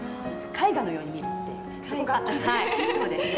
絵画のように見るっていうそこがそうですね。